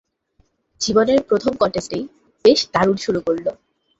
জীবনের প্রথম কন্টেস্টেই, বেশ দারুণ শুরু করল!